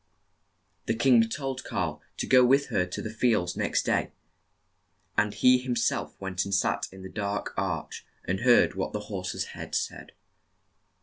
The king told Kan to go with her to the fields next day, and he him self went Jtnd sat in the dark arch and heard what the horse's head said.